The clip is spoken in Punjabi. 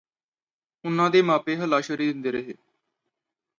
ਉਨ੍ਹਾਂ ਦੇ ਮਾਪੇ ਹੱਲਾਸ਼ੇਰੀ ਦਿੰਦੇ ਰਹੇ